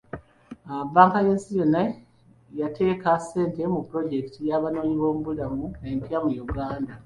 Bbanka y'ensi yonna yateeka ssente mu pulojekiti y'abanoonyiboobubudamu empya mu Uganda.